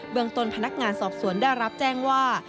เมืองต้นพนักงานสอบสวนได้รับแจ้งว่า